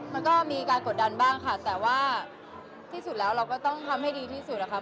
มันก็มีการกดดันบ้างค่ะแต่ว่าที่สุดแล้วเราก็ต้องทำให้ดีที่สุดนะคะ